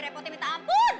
repotnya minta ampun